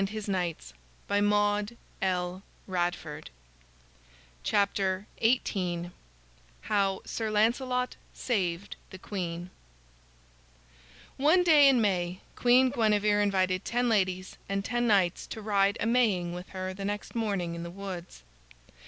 [Illustration: The Holy Grail] HOW SIR LANCELOT SAVED THE QUEEN One day in May Queen Guinevere invited ten ladies and ten knights to ride a Maying with her the next morning in the woods.